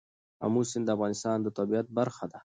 آمو سیند د افغانستان د طبیعت برخه ده.